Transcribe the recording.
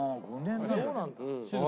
そうなんだ。